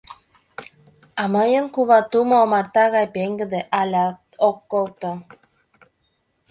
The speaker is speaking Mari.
А мыйын кува, тумо омарта гай пеҥгыде — алят ок колто.